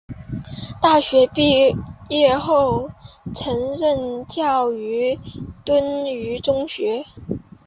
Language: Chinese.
大学毕业后曾任教于敦叙中学。